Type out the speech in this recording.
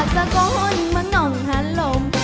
จากสกนเมืองน้องหาลม